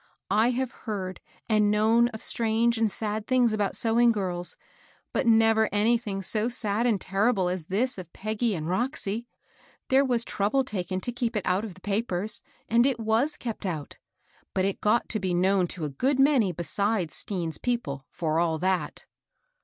I have heard and known of strange and sad things about sewing girls, but never anything so sad and terrible as this of Peggy and Roxy. There was trouble taken to keep it out of the papers, and it was kept out ; but it got to be known to a good many besides Stean's people, for all that."